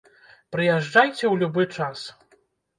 Прыязджайце ў любы час.